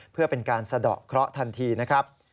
เพื่อเป็นการสะดอกเคราะห์ทันทีนะครับ